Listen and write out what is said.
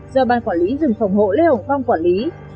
do ban quản lý rừng phòng hộ lê hồng phong quản lý